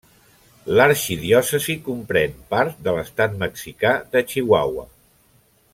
L'arxidiòcesi comprèn part de l'estat mexicà de Chihuahua.